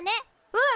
うん！